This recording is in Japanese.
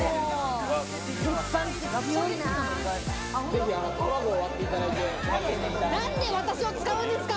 ぜひ卵を割っていただいて、なんで私を使うんですか！